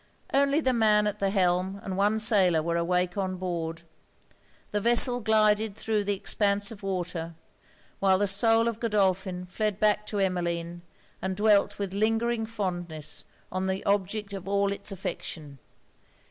Only the man at the helm and one sailor were awake on board. The vessel glided thro' the expanse of water; while the soul of Godolphin fled back to Emmeline, and dwelt with lingering fondness on the object of all it's affection.